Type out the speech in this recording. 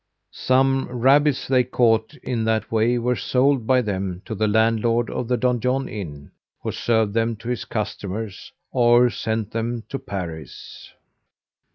Some rabbits they caught in that way were sold by them to the landlord of the Donjon Inn, who served them to his customers, or sent them to Paris.